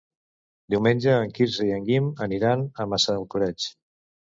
Diumenge en Quirze i en Guim aniran a Massalcoreig.